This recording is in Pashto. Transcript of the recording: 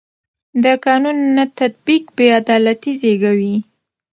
د قانون نه تطبیق بې عدالتي زېږوي